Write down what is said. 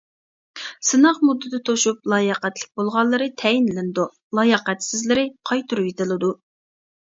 سىناق مۇددىتى توشۇپ لاياقەتلىك بولغانلىرى تەيىنلىنىدۇ، لاياقەتسىزلىرى قايتۇرۇۋېتىلىدۇ.